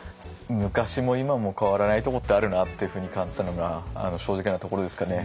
昔も今も変わらないとこってあるなっていうふうに感じたのが正直なところですかね。